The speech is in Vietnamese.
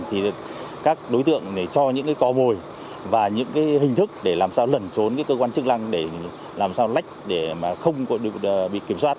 khi mà các tổ chức các lực lượng để cho những cái cò mồi và những cái hình thức để làm sao lẩn trốn cái cơ quan chức năng để làm sao lách để mà không bị kiểm soát